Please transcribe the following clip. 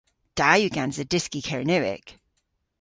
Da yw gansa dyski Kernewek.